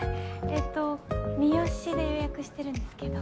えっと三好で予約してるんですけど。